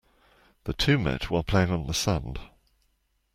The two met while playing on the sand.